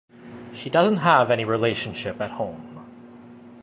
She doesn't have any relationship at home.